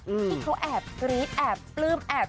ที่เขาแอบกรี๊ดแอบปลื้มแอบ